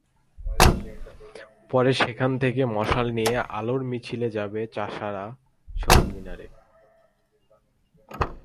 পরে সেখান থেকে মশাল নিয়ে আলোর মিছিল যাবে চাষাঢ়া শহীদ মিনারে।